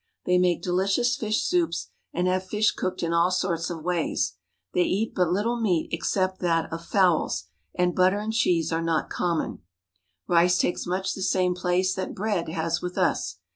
They make delicious fish soups, and have fish cooked in all sorts of ways. They eat but little meat, except that of fowls ; and butter and cheese are not common. Rice takes much the same place that bread has with us.